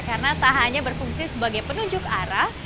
karena tak hanya berfungsi sebagai penunjuk arah